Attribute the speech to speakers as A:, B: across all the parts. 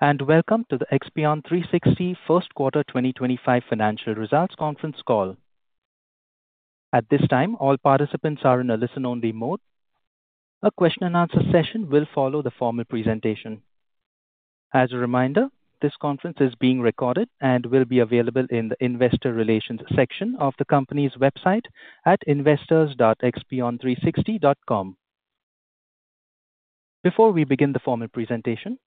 A: Welcome to the Expion360 First Quarter 2025 Financial Results Conference call. At this time, all participants are in a listen-only mode. A question-and-answer session will follow the formal presentation. As a reminder, this conference is being recorded and will be available in the Investor Relations section of the company's website at investors.expion360.com. Before we begin the formal presentation,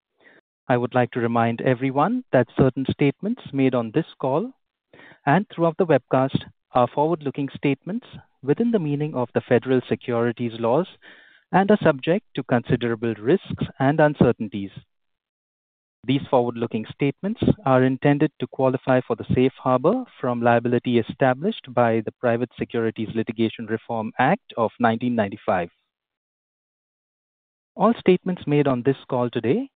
A: I would like to remind everyone that certain statements made on this call and throughout the webcast are forward-looking statements within the meaning of the federal securities laws and are subject to considerable risks and uncertainties. These forward-looking statements are intended to qualify for the safe harbor from liability established by the Private Securities Litigation Reform Act of 1995. All statements made on this call today,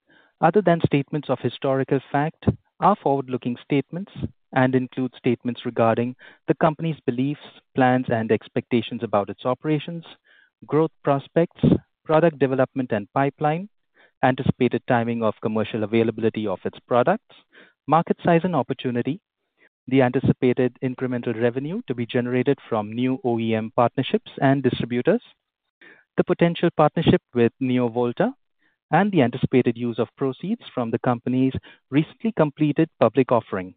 A: other than statements of historical fact, are forward-looking statements and include statements regarding the company's beliefs, plans, and expectations about its operations, growth prospects, product development and pipeline, anticipated timing of commercial availability of its products, market size and opportunity, the anticipated incremental revenue to be generated from new OEM partnerships and distributors, the potential partnership with NeoVolta, and the anticipated use of proceeds from the company's recently completed public offering.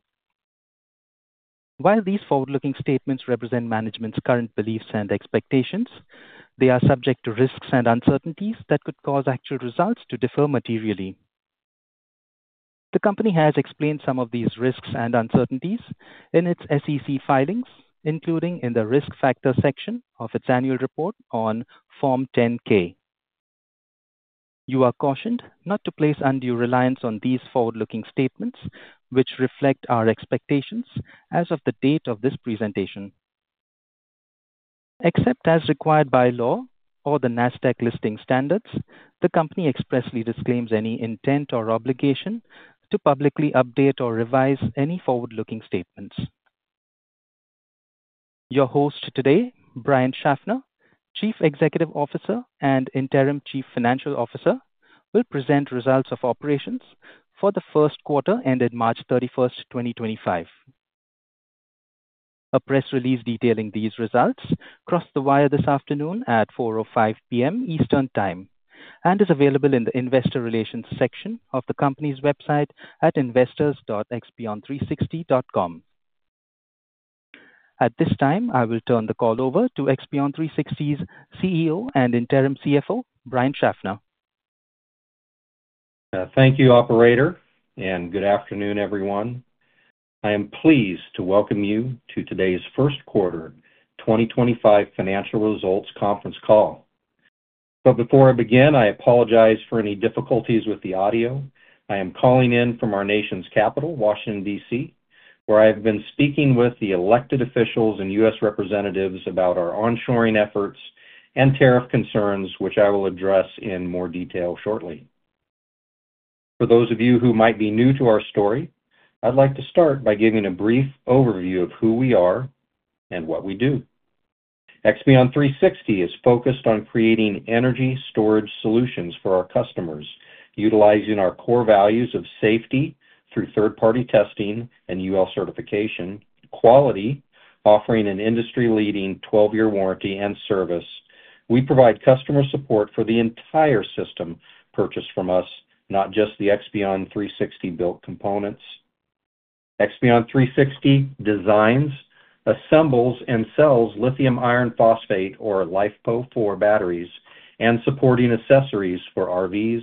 A: While these forward-looking statements represent management's current beliefs and expectations, they are subject to risks and uncertainties that could cause actual results to differ materially. The company has explained some of these risks and uncertainties in its SEC filings, including in the risk factor section of its annual report on Form 10-K. You are cautioned not to place undue reliance on these forward-looking statements, which reflect our expectations as of the date of this presentation. Except as required by law or the NASDAQ Listing Standards, the company expressly disclaims any intent or obligation to publicly update or revise any forward-looking statements. Your host today, Brian Schaffner, Chief Executive Officer and Interim Chief Financial Officer, will present results of operations for the first quarter ended March 31, 2025. A press release detailing these results crossed the wire this afternoon at 4:05 P.M. Eastern Time and is available in the Investor Relations section of the company's website at investors.expion360.com. At this time, I will turn the call over to Expion360's CEO and Interim CFO, Brian Schaffner.
B: Thank you, Operator, and good afternoon, everyone. I am pleased to welcome you to today's First Quarter 2025 Financial Results Conference call. Before I begin, I apologize for any difficulties with the audio. I am calling in from our nation's capital, Washington, D.C., where I have been speaking with the elected officials and U.S. representatives about our onshoring efforts and tariff concerns, which I will address in more detail shortly. For those of you who might be new to our story, I'd like to start by giving a brief overview of who we are and what we do. Expion360 is focused on creating energy storage solutions for our customers, utilizing our core values of safety through third-party testing and UL certification, quality, offering an industry-leading 12-year warranty and service. We provide customer support for the entire system purchased from us, not just the Expion360-built components. Expion360 designs, assembles, and sells lithium iron phosphate, or LiFePO4, batteries and supporting accessories for RVs,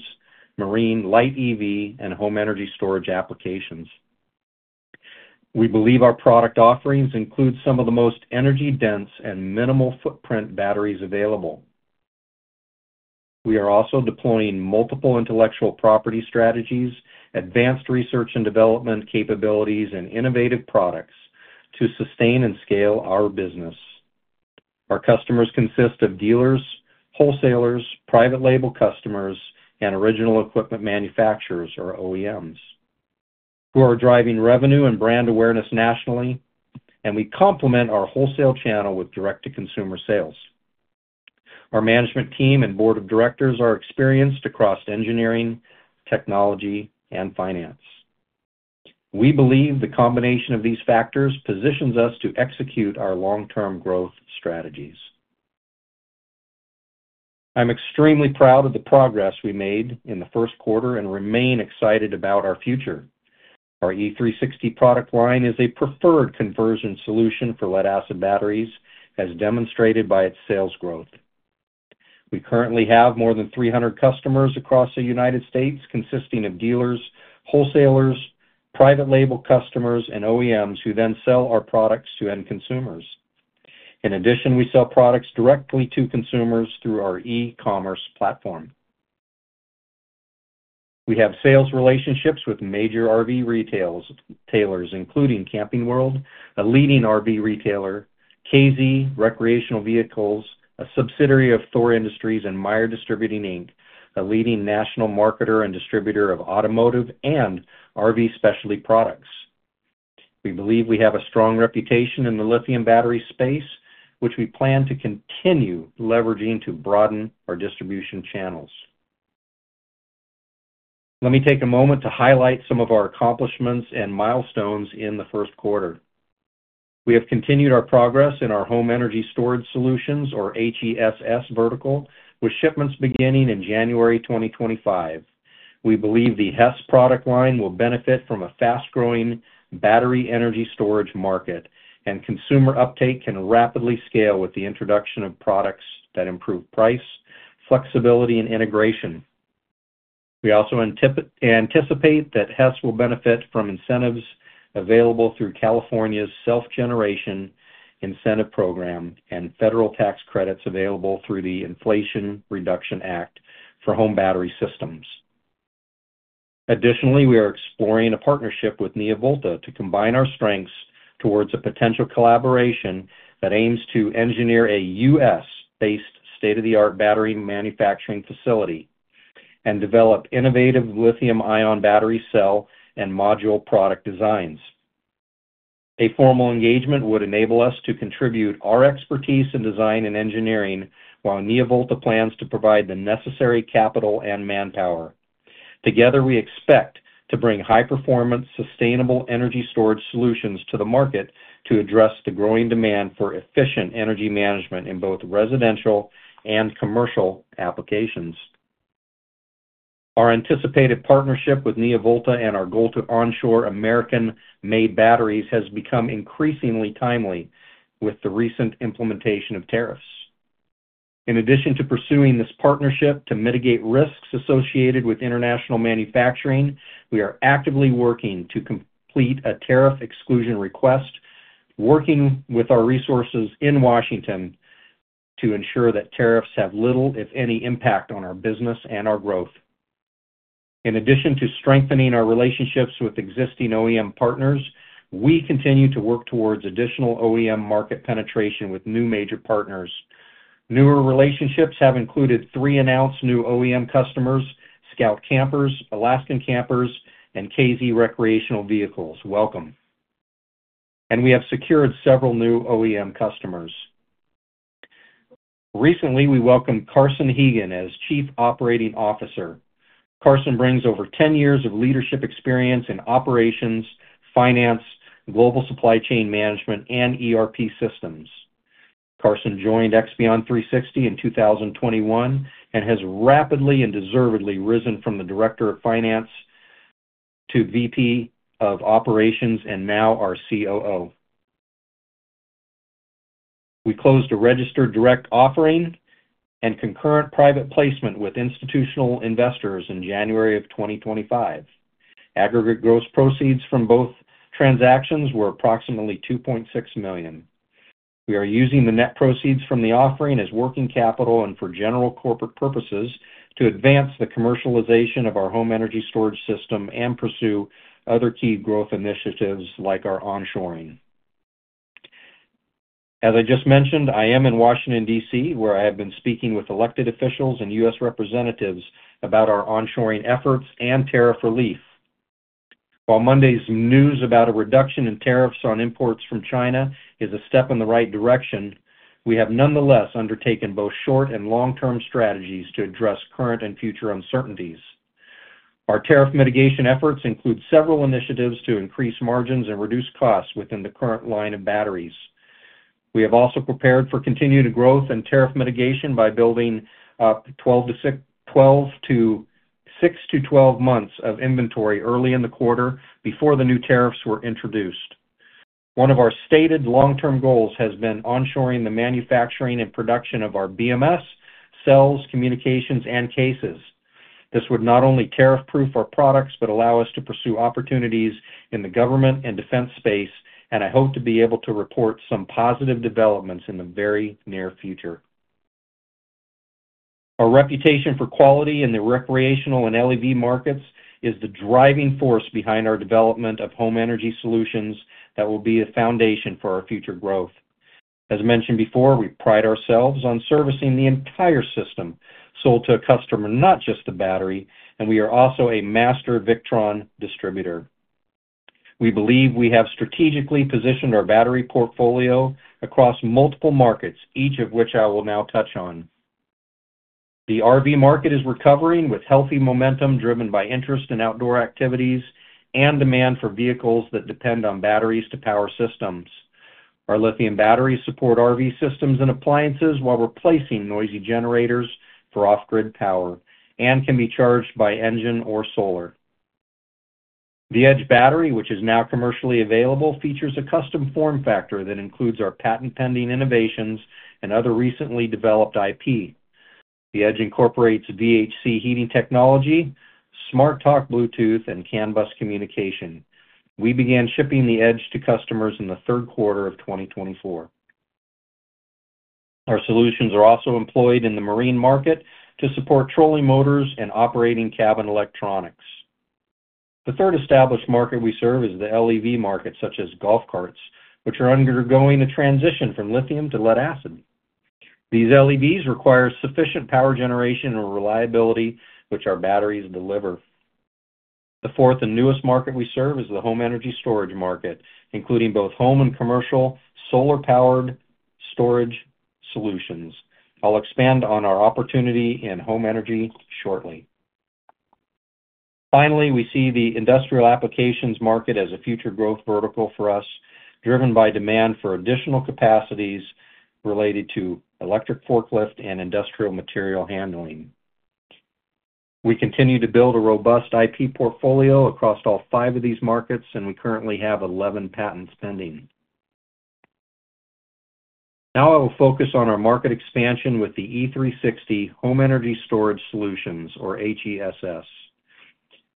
B: marine, light EV, and home energy storage applications. We believe our product offerings include some of the most energy-dense and minimal-footprint batteries available. We are also deploying multiple intellectual property strategies, advanced research and development capabilities, and innovative products to sustain and scale our business. Our customers consist of dealers, wholesalers, private label customers, and original equipment manufacturers, or OEMs, who are driving revenue and brand awareness nationally, and we complement our wholesale channel with direct-to-consumer sales. Our management team and board of directors are experienced across engineering, technology, and finance. We believe the combination of these factors positions us to execute our long-term growth strategies. I'm extremely proud of the progress we made in the first quarter and remain excited about our future. Our E360 product line is a preferred conversion solution for lead-acid batteries, as demonstrated by its sales growth. We currently have more than 300 customers across the United States, consisting of dealers, wholesalers, private label customers, and OEMs who then sell our products to end consumers. In addition, we sell products directly to consumers through our e-commerce platform. We have sales relationships with major RV retailers, including Camping World, a leading RV retailer, KZ Recreational Vehicles, a subsidiary of Thor Industries, and Meyer Distributing, a leading national marketer and distributor of automotive and RV specialty products. We believe we have a strong reputation in the lithium battery space, which we plan to continue leveraging to broaden our distribution channels. Let me take a moment to highlight some of our accomplishments and milestones in the first quarter. We have continued our progress in our home energy storage solutions, or HESS, vertical, with shipments beginning in January 2025. We believe the HESS product line will benefit from a fast-growing battery energy storage market, and consumer uptake can rapidly scale with the introduction of products that improve price, flexibility, and integration. We also anticipate that HESS will benefit from incentives available through California's Self-Generation Incentive Program and federal tax credits available through the Inflation Reduction Act for home battery systems. Additionally, we are exploring a partnership with NeoVolta to combine our strengths towards a potential collaboration that aims to engineer a U.S.-based state-of-the-art battery manufacturing facility and develop innovative lithium-ion battery cell and module product designs. A formal engagement would enable us to contribute our expertise in design and engineering, while NeoVolta plans to provide the necessary capital and manpower. Together, we expect to bring high-performance, sustainable energy storage solutions to the market to address the growing demand for efficient energy management in both residential and commercial applications. Our anticipated partnership with NeoVolta and our goal to onshore American-made batteries has become increasingly timely with the recent implementation of tariffs. In addition to pursuing this partnership to mitigate risks associated with international manufacturing, we are actively working to complete a tariff exclusion request, working with our resources in Washington, D.C. to ensure that tariffs have little, if any, impact on our business and our growth. In addition to strengthening our relationships with existing OEM partners, we continue to work towards additional OEM market penetration with new major partners. Newer relationships have included three announced new OEM customers: Scout Campers, Alaskan Campers, and KZ Recreational Vehicles. Welcome. We have secured several new OEM customers. Recently, we welcomed Carson Hegen as Chief Operating Officer. Carson brings over 10 years of leadership experience in operations, finance, global supply chain management, and ERP systems. Carson joined Expion360 in 2021 and has rapidly and deservedly risen from the Director of Finance to VP of Operations and now our COO. We closed a registered direct offering and concurrent private placement with institutional investors in January of 2025. Aggregate gross proceeds from both transactions were approximately $2.6 million. We are using the net proceeds from the offering as working capital and for general corporate purposes to advance the commercialization of our home energy storage system and pursue other key growth initiatives like our onshoring. As I just mentioned, I am in Washington, D.C., where I have been speaking with elected officials and U.S. representatives about our onshoring efforts and tariff relief. While Monday's news about a reduction in tariffs on imports from China is a step in the right direction, we have nonetheless undertaken both short and long-term strategies to address current and future uncertainties. Our tariff mitigation efforts include several initiatives to increase margins and reduce costs within the current line of batteries. We have also prepared for continued growth and tariff mitigation by building up 6-12 months of inventory early in the quarter before the new tariffs were introduced. One of our stated long-term goals has been onshoring the manufacturing and production of our BMS, cells, communications, and cases. This would not only tariff-proof our products but allow us to pursue opportunities in the government and defense space, and I hope to be able to report some positive developments in the very near future. Our reputation for quality in the recreational and LEV markets is the driving force behind our development of home energy solutions that will be a foundation for our future growth. As mentioned before, we pride ourselves on servicing the entire system sold to a customer, not just a battery, and we are also a master Victron distributor. We believe we have strategically positioned our battery portfolio across multiple markets, each of which I will now touch on. The RV market is recovering with healthy momentum driven by interest in outdoor activities and demand for vehicles that depend on batteries to power systems. Our lithium batteries support RV systems and appliances while replacing noisy generators for off-grid power and can be charged by engine or solar. The Edge battery, which is now commercially available, features a custom form factor that includes our patent-pending innovations and other recently developed IP. The Edge incorporates VHC heating technology, SmartTalk Bluetooth, and CAN bus communication. We began shipping the Edge to customers in the third quarter of 2024. Our solutions are also employed in the marine market to support trolling motors and operating cabin electronics. The third established market we serve is the LEV market, such as golf carts, which are undergoing a transition from lithium to lead-acid. These LEVs require sufficient power generation and reliability, which our batteries deliver. The fourth and newest market we serve is the home energy storage market, including both home and commercial solar-powered storage solutions. I'll expand on our opportunity in home energy shortly. Finally, we see the industrial applications market as a future growth vertical for us, driven by demand for additional capacities related to electric forklift and industrial material handling. We continue to build a robust IP portfolio across all five of these markets, and we currently have 11 patents pending. Now I will focus on our market expansion with the E360 Home Energy Storage Solutions, or HESS.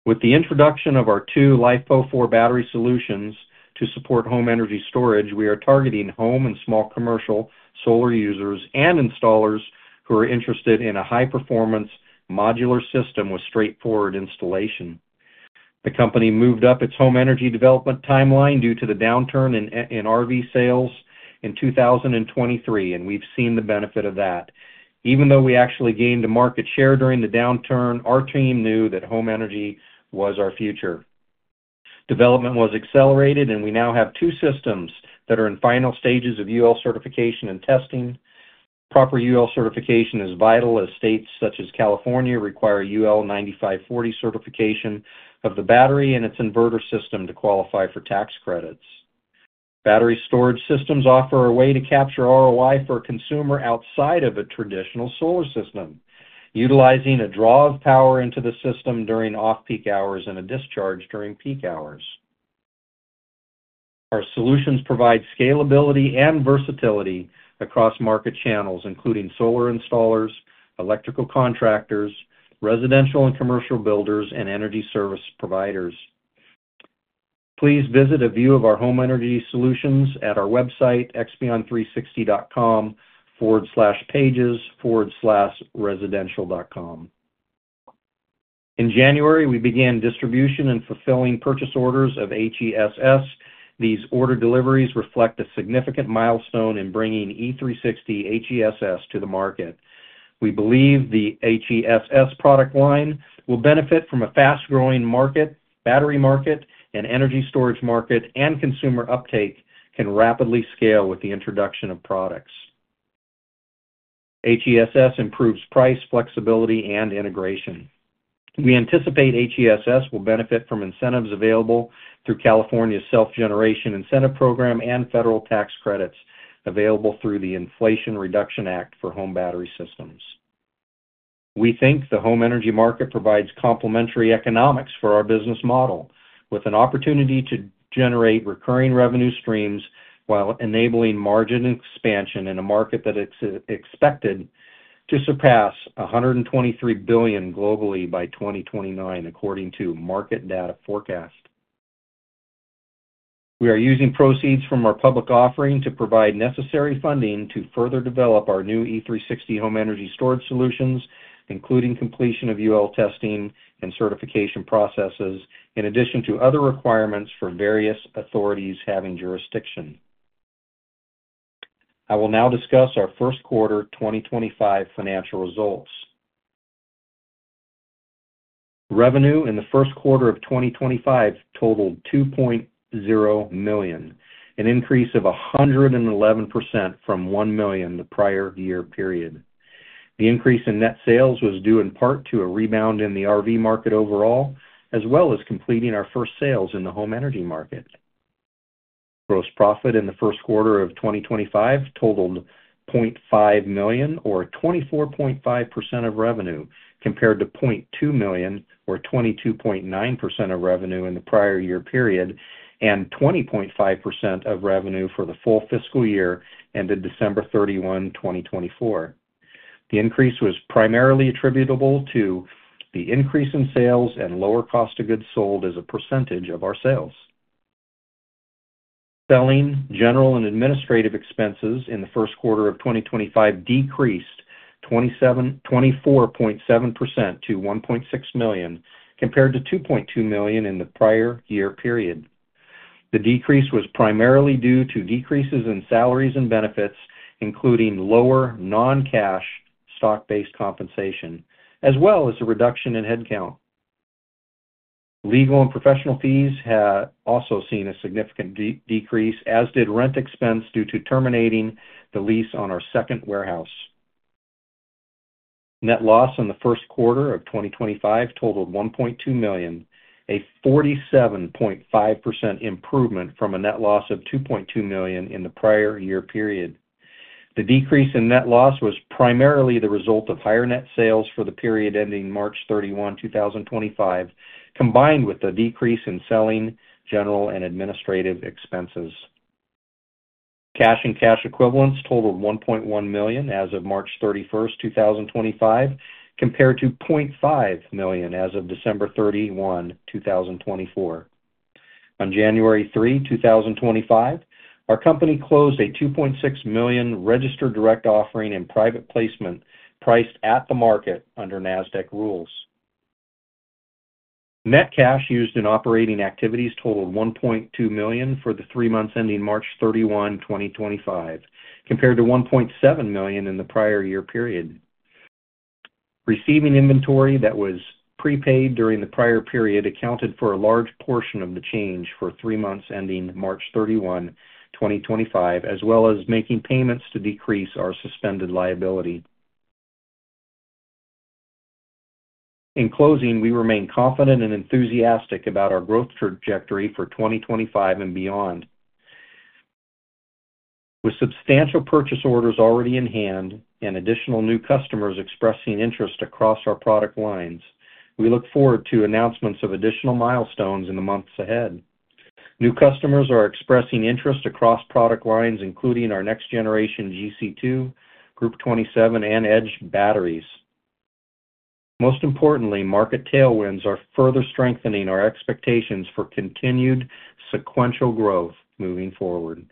B: With the introduction of our two LiFePO4 battery solutions to support home energy storage, we are targeting home and small commercial solar users and installers who are interested in a high-performance modular system with straightforward installation. The company moved up its home energy development timeline due to the downturn in RV sales in 2023, and we've seen the benefit of that. Even though we actually gained a market share during the downturn, our team knew that home energy was our future. Development was accelerated, and we now have two systems that are in final stages of UL certification and testing. Proper UL certification is vital as states such as California require UL 9540 certification of the Battery and Inverter System to qualify for tax credits. Battery storage systems offer a way to capture ROI for a consumer outside of a traditional solar system, utilizing a draw of power into the system during off-peak hours and a discharge during peak hours. Our solutions provide scalability and versatility across market channels, including solar installers, electrical contractors, residential and commercial builders, and energy service providers. Please visit a view of our home energy solutions at our website, expion360.com/pages/residential.com. In January we began distribution and fulfilling purchase orders of HESS. These order deliveries reflect a significant milestone in bringing E360 HESS to the market. We believe the HESS product line will benefit from a fast-growing market, Battery Market and Energy Storage Market, and consumer uptake can rapidly scale with the introduction of products. HESS improves price, flexibility, and integration. We anticipate HESS will benefit from incentives available through California's Self-Generation Incentive Program and federal tax credits available through the Inflation Reduction Act for home battery systems. We think the Home Energy Market provides complementary economics for our business model, with an opportunity to generate recurring revenue streams while enabling margin expansion in a market that is expected to surpass $123,000,000,000 globally by 2029, according to market data forecast. We are using proceeds from our public offering to provide necessary funding to further develop our new E360 Home Energy Storage Solutions, including completion of UL testing and certification processes, in addition to other requirements for various authorities having jurisdiction. I will now discuss our first quarter 2025 financial results. Revenue in the first quarter of 2025 totaled $2.0 million, an increase of 111% from $1,000,000 the prior year period. The increase in net sales was due in part to a rebound in the RV market overall, as well as completing our first sales in the Home Energy Market. Gross profit in the first quarter of 2025 totaled $500,000, or 24.5% of revenue, compared to $200,000, or 22.9% of revenue in the prior year period, and 20.5% of revenue for the full fiscal year ended December 31, 2024. The increase was primarily attributable to the increase in sales and lower cost of goods sold as a percentage of our sales. Selling, general, and administrative expenses in the first quarter of 2025 decreased 24.7% to $1.6 million, compared to $2.2 million in the prior year period. The decrease was primarily due to decreases in salaries and benefits, including lower non-cash stock-based compensation, as well as a reduction in headcount. Legal and professional fees have also seen a significant decrease, as did rent expense due to terminating the lease on our second warehouse. Net loss in the first quarter of 2025 totaled $1.2 million, a 47.5% improvement from a net loss of $2.2 million in the prior year period. The decrease in net loss was primarily the result of higher net sales for the period ending March 31, 2025, combined with the decrease in selling, general, and administrative expenses. Cash and cash equivalents totaled $1.1 million as of March 31, 2025, compared to $0.5 million as of December 31, 2024. On January 3, 2025, our company closed a $2.6 million registered direct offering and private placement priced at the market under NASDAQ rules. Net cash used in operating activities totaled $1.2 million for the three months ending March 31, 2025, compared to $1.7 million in the prior year period. Receiving inventory that was prepaid during the prior period accounted for a large portion of the change for three months ending March 31, 2025, as well as making payments to decrease our suspended liability. In closing, we remain confident and enthusiastic about our growth trajectory for 2025 and beyond. With substantial purchase orders already in hand and additional new customers expressing interest across our product lines, we look forward to announcements of additional milestones in the months ahead. New customers are expressing interest across product lines, including our next-generation GC2, Group 27, and Edge batteries. Most importantly, market tailwinds are further strengthening our expectations for continued sequential growth moving forward.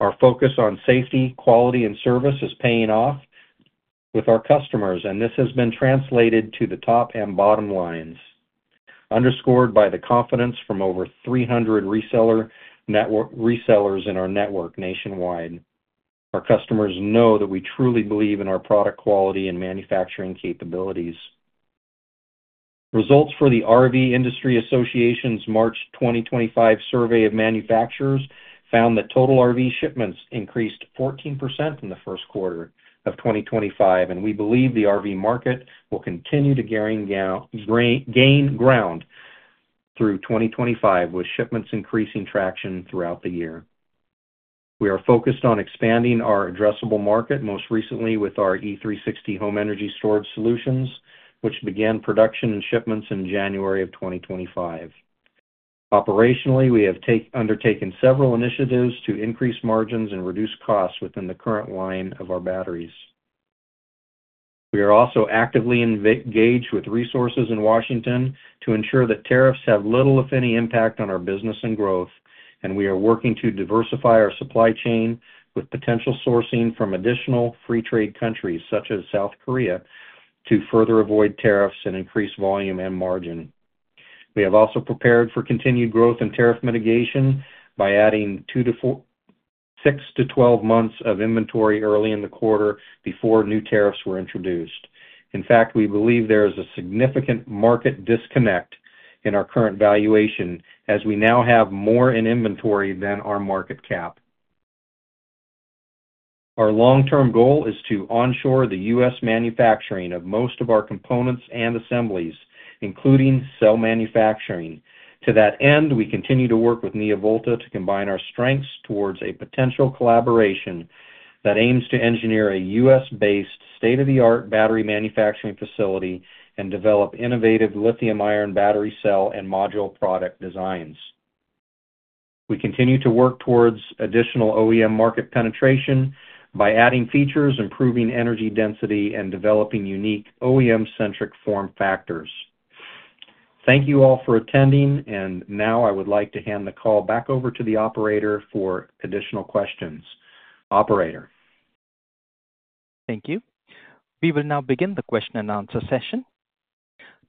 B: Our focus on safety, quality, and service is paying off with our customers, and this has been translated to the top and bottom lines, underscored by the confidence from over 300 resellers in our network nationwide. Our customers know that we truly believe in our product quality and manufacturing capabilities. Results for the RV Industry Association's March 2025 survey of manufacturers found that total RV shipments increased 14% in the first quarter of 2025, and we believe the RV market will continue to gain ground through 2025, with shipments increasing traction throughout the year. We are focused on expanding our addressable market, most recently with our E360 home energy storage solutions, which began production and shipments in January of 2025. Operationally, we have undertaken several initiatives to increase margins and reduce costs within the current line of our batteries. We are also actively engaged with resources in Washington, D.C. to ensure that tariffs have little, if any, impact on our business and growth, and we are working to diversify our supply chain with potential sourcing from additional free trade countries, such as South Korea, to further avoid tariffs and increase volume and margin. We have also prepared for continued growth and tariff mitigation by adding 6-12 months of inventory early in the quarter before new tariffs were introduced. In fact, we believe there is a significant market disconnect in our current valuation as we now have more in inventory than our market cap. Our long-term goal is to onshore the U.S. manufacturing of most of our components and assemblies, including cell manufacturing. To that end, we continue to work with NeoVolta to combine our strengths towards a potential collaboration that aims to engineer a U.S.-based state-of-the-art battery manufacturing facility and develop innovative lithium-ion battery cell and module product designs. We continue to work towards additional OEM market penetration by adding features, improving energy density, and developing unique OEM-centric form factors. Thank you all for attending, and now I would like to hand the call back over to the operator for additional questions. Operator.
A: Thank you. We will now begin the question and answer session.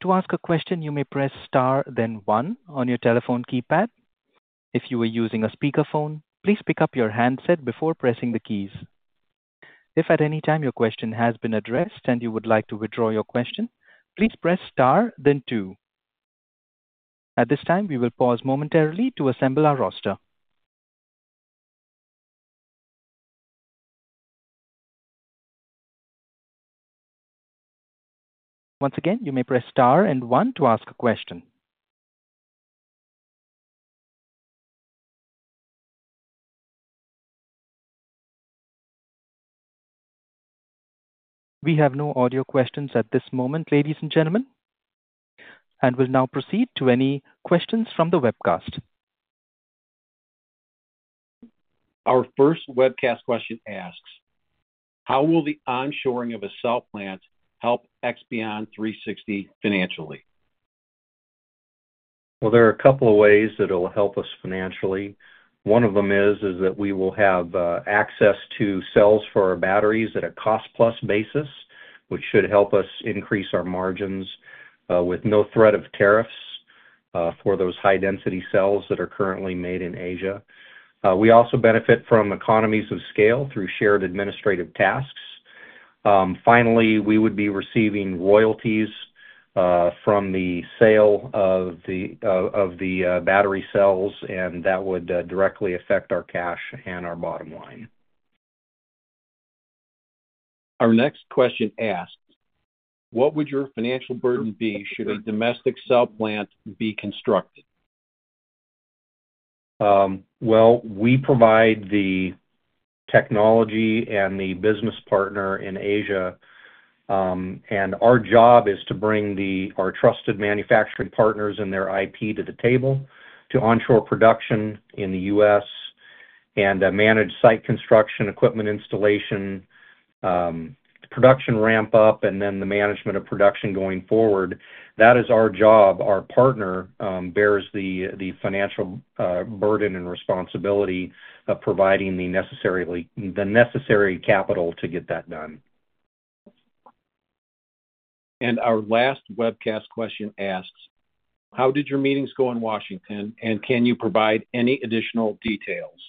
A: To ask a question, you may press Star, then 1 on your telephone keypad. If you are using a speakerphone, please pick up your handset before pressing the keys. If at any time your question has been addressed and you would like to withdraw your question, please press Star, then 2. At this time, we will pause momentarily to assemble our roster. Once again, you may press Star and 1 to ask a question. We have no audio questions at this moment, ladies and gentlemen, and will now proceed to any questions from the webcast.
B: Our first webcast question asks, how will the onshoring of a cell plant help Expion360 financially? There are a couple of ways that it'll help us financially. One of them is that we will have access to cells for our batteries at a cost-plus basis, which should help us increase our margins with no threat of tariffs for those hHigh-Density Cells that are currently made in Asia. We also benefit from economies of scale through shared administrative tasks. Finally, we would be receiving royalties from the sale of the battery cells, and that would directly affect our cash and our bottom line. Our next question asks, what would your financial burden be should a domestic cell plant be constructed? We provide the technology and the business partner in Asia, and our job is to bring our trusted manufacturing partners and their IP to the table to onshore production in the U.S. and manage site construction, equipment installation, production ramp-up, and then the management of production going forward. That is our job. Our partner bears the financial burden and responsibility of providing the necessary capital to get that done. Our last webcast question asks, how did your meetings go in Washington, and can you provide any additional details?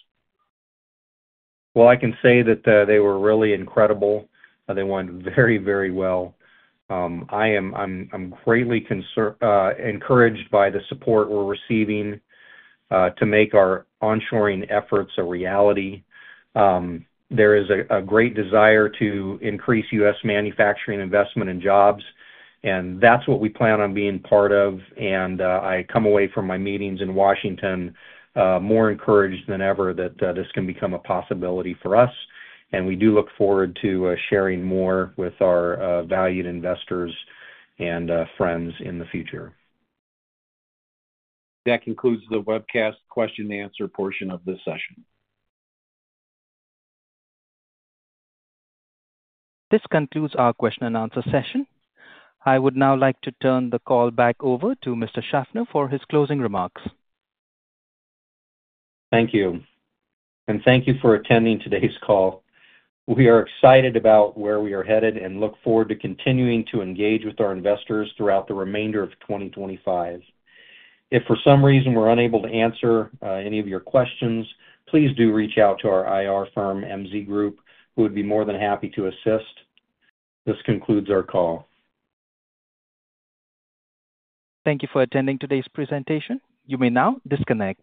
B: I can say that they were really incredible. They went very, very well. I'm greatly encouraged by the support we're receiving to make our onshoring efforts a reality. There is a great desire to increase U.S. Manufacturing investment and jobs, and that is what we plan on being part of. I come away from my meetings in Washington, D.C. more encouraged than ever that this can become a possibility for us, and we do look forward to sharing more with our valued investors and friends in the future. That concludes the webcast question-and-answer portion of this session. This concludes our question-and-answer session. I would now like to turn the call back over to Mr. Schaffner for his closing remarks. Thank you. Thank you for attending today's call. We are excited about where we are headed and look forward to continuing to engage with our investors throughout the remainder of 2025. If for some reason we are unable to answer any of your questions, please do reach out to our IR firm, MZ Group, who would be more than happy to assist. This concludes our call.
A: Thank you for attending today's presentation. You may now disconnect.